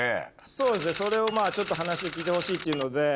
そうですねそれをちょっと話を聞いてほしいっていうので。